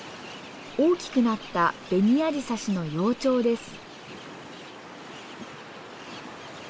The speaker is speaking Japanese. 大きくなったベニアジサシの幼鳥です。